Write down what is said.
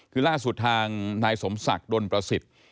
คือล่าสุดทางนายสมศักดลประสิทธิ์